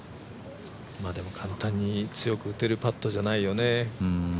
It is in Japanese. でも簡単に強く打てるパットじゃないよね。